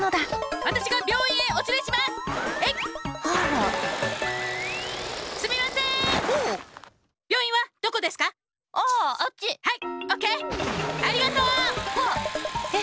ありがとう！わっ！